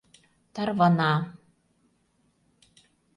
Тарвана-а.